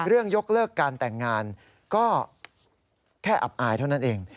ยกเลิกการแต่งงานก็แค่อับอายเท่านั้นเอง